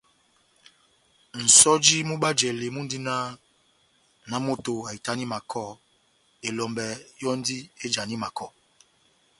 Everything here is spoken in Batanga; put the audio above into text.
Nʼsɔjo mú bajlali mundi náh : nahámoto ahitani makɔ, elɔmbɛ yɔ́ndi éjani makɔ.